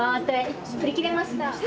売り切れました。